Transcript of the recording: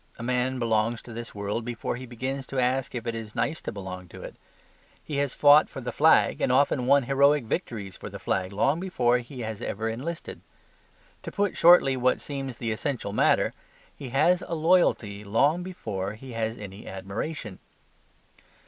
A man belongs to this world before he begins to ask if it is nice to belong to it. He has fought for the flag, and often won heroic victories for the flag long before he has ever enlisted. To put shortly what seems the essential matter, he has a loyalty long before he has any admiration.